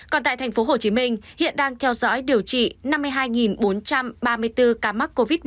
còn tại tp hcm hiện đang theo dõi điều trị năm mươi hai bốn trăm ba mươi bốn ca mắc covid một mươi chín